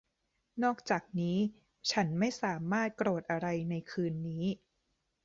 นอกจากนี้ฉันไม่สามารถโกรธอะไรในคืนนี้